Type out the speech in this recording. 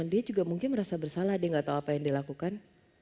dia juga mungkin merasa bersalah dia gak tau apa yang dia lakukan